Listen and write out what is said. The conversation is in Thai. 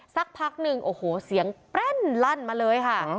สักพักหนึ่งโอ้โหเสียงแป้นลั่นมาเลยค่ะ